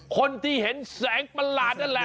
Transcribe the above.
คนที่เห็นแสงประหลาดนั่นแหละ